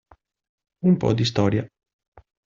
Un po' di storia.